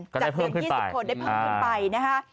จากเพียง๒๐คนได้เพิ่มขึ้นไปนะคะ